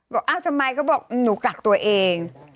ก็บอกอ้าวสมัยก็บอกหนูกักตัวเอง